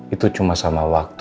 aku percaya dengan biar padak itu